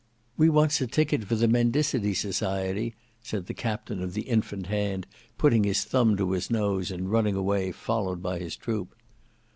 "We wants a ticket for the Mendicity Society," said the captain of the infant hand putting his thumb to his nose and running away, followed by his troop.